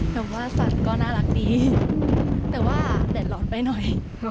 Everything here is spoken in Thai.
แต่ว่าสัตว์ก็น่ารักดีแต่ว่าเดือดร้อนไปหน่อย